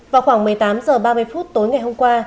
vào khoảng một mươi tám h ba mươi phút tối ngày hôm qua